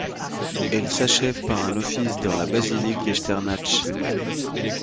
Elle s’achève par un office dans la basilique d’Echternach.